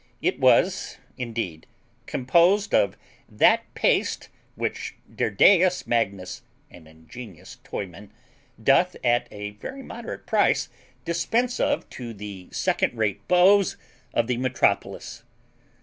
It was indeed composed of that paste which Derdaeus Magnus, an ingenious toy man, doth at a very moderate price dispense of to the second rate beaus of the metropolis.